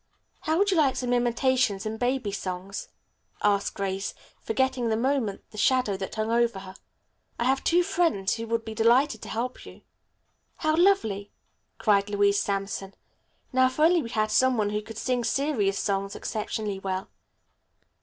"How would you like some imitations and baby songs?" asked Grace, forgetting for the moment the shadow that hung over her. "I have two friends who would be delighted to help you." "How lovely!" cried Louise Sampson. "Now if only we had some one who could sing serious songs exceptionally well."